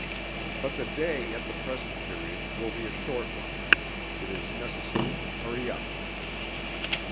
But the day at the present period will be a short one: it is necessary to hurry up.